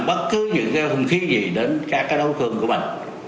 bất cứ những cái hung khí gì đến các cái đấu cương của mình